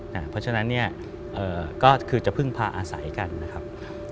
เพราะฉะนั้นเนี่ยก็คือจะพึ่งพาอาศัยกันนะครับ